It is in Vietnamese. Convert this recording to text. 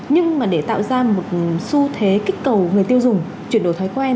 nhưng mà để tạo ra một xu thế kích cầu người tiêu dùng chuyển đổi thói quen